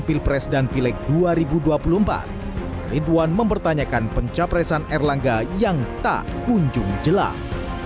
pilpres dan pilek dua ribu dua puluh empat ridwan mempertanyakan pencapresan erlangga yang tak kunjung jelas